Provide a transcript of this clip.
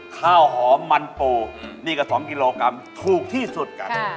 ข้าวหอมมันปูนี่ก็๒กิโลกรัมถูกที่สุดกัน